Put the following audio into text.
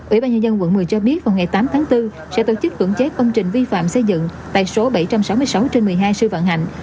ủy ban nhân dân quận một mươi cho biết vào ngày tám tháng bốn sẽ tổ chức cưỡng chế công trình vi phạm xây dựng tại số bảy trăm sáu mươi sáu trên một mươi hai sư vạn hạnh